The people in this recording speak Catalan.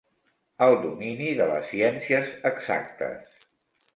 El domini de les ciències exactes.